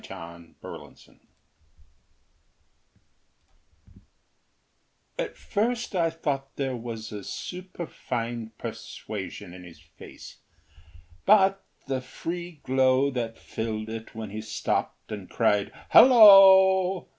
Fleming Helphenstine At first I thought there was a superfine Persuasion in his face; but the free glow That filled it when he stopped and cried, "Hollo!"